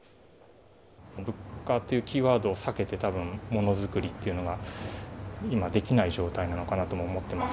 物価というキーワードを避けて、たぶんモノづくりっていうのが今できない状態なのかなとも思ってます。